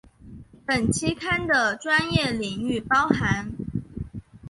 本期刊的专业领域包含